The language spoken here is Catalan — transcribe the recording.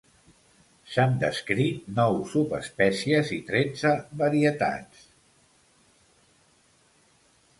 S'han descrit nou subespècies i tretze varietats.